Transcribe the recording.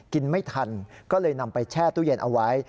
กินไม่ทันก็เลยนำไปแช่ตู้เย็นเอาไว้